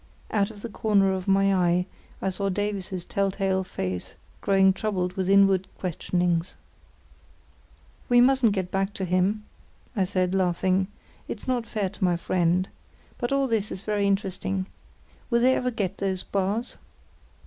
Out of the corner of my eye I saw Davies's tell tale face growing troubled with inward questionings. "We mustn't get back to him," I said, laughing. "It's not fair to my friend. But all this is very interesting. Will they ever get those bars?"